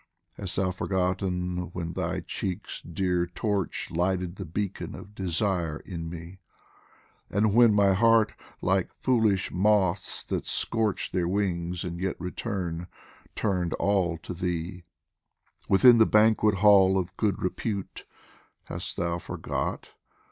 Hast thou forgotten when thy cheek's dear torch Lighted the beacon of desire in me, And when my heart, like foolish moths that scorch Their wings and yet return, turned all to thee ? POEMS FROM THE Within the banquet hall of Good Repute (Hast thou forgot